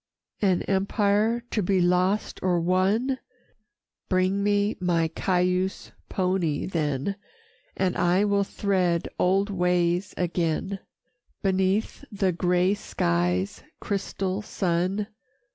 III "An empire to be lost or won? Bring me my Cayuse pony then, And I will thread old ways again, Beneath the gray skies' crystal sun.